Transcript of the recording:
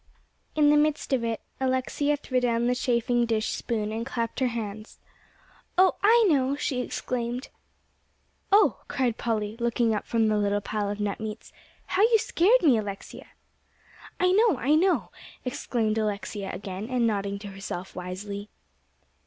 In the midst of it, Alexia threw down the chafing dish spoon, and clapped her hands. "Oh, I know!" she exclaimed. "Oh," cried Polly, looking up from the little pile of nut meats, "how you scared me, Alexia!" "I know I know!" exclaimed Alexia again, and nodding to herself wisely.